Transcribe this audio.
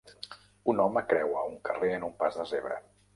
Un home creua un carrer en un pas de zebra.